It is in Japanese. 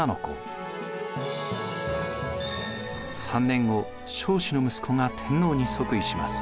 ３年後彰子の息子が天皇に即位します。